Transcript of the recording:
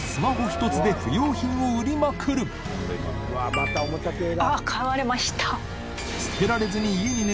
またおもちゃ系だ。